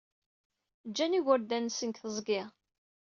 Jjan igerdan-nsen deg teẓgi.